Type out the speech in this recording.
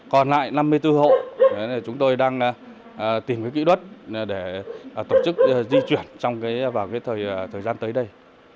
còn lại năm mươi bốn hộ chúng tôi đang tìm cái kỹ đất để tổ chức di chuyển vào thời gian tới đây